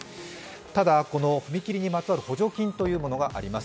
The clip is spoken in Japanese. ただこの踏切にまつわる補助金というものがあります。